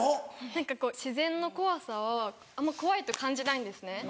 何かこう自然の怖さをあんま怖いと感じないんですね。